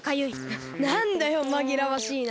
ななんだよまぎらわしいな。